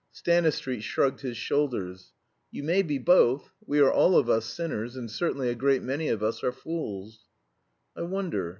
Stanistreet shrugged his shoulders. "You may be both. We are all of us sinners, and certainly a great many of us are fools." "I wonder.